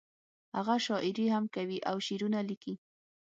هغه شاعري هم کوي او شعرونه ليکي